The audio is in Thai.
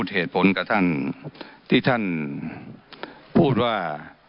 พูดเหตุผลแล้วทันทีท่านพูดว่า